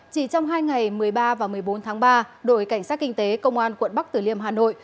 chỉ trong hai ngày một mươi ba và một mươi bốn tháng ba đội cảnh sát kinh tế công an quận bắc tử liêm hà nội